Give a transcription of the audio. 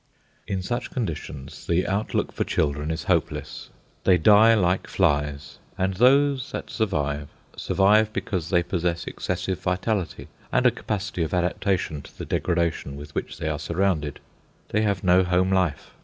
In such conditions, the outlook for children is hopeless. They die like flies, and those that survive, survive because they possess excessive vitality and a capacity of adaptation to the degradation with which they are surrounded. They have no home life.